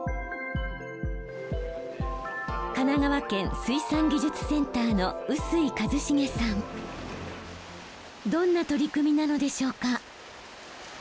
神奈川県水産技術センターのどんな取り組みなのでしょうか？